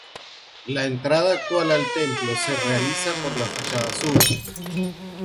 La entrada actual al templo se realiza por la fachada sur.